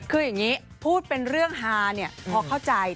คืออย่างนี้พูดเป็นเรื่องฮาเนี่ยพอเข้าใจ